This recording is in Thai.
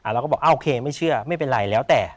เราก็บอกโอเคไม่เชื่อไม่เป็นไรแล้วแต่